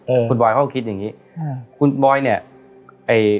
อืมคุณบอยเขาก็คิดอย่างงี้อ่าคุณบอยเนี้ยไอ้